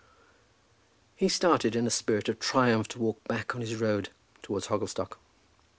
He started in a spirit of triumph to walk back on his road towards Hogglestock.